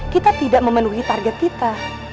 kita tidak memenuhi target kita